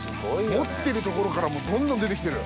持ってるところからどんどん出てきてる。